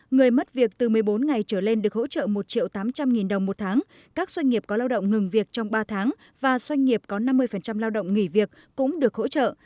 người mất việc từ một mươi bốn ngày trở lên được hỗ trợ một triệu tám trăm linh nghìn đồng một tháng các doanh nghiệp có lao động ngừng việc trong ba tháng và doanh nghiệp có năm mươi lao động nghỉ việc cũng được hỗ trợ